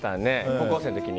高校生の時に。